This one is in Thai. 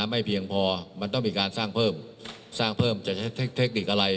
ไม่เพียงพอมันต้องมีการสร้างเพิ่มสร้างเพิ่มจะใช้เทคนิคอะไร